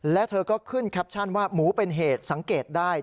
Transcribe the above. และเธอก็ขึ้นแคปชั่นว่าหมูเป็นเหตุสังเกตได้